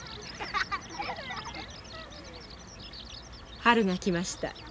春が来ました。